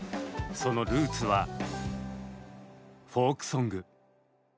そのルーツはフォークソング。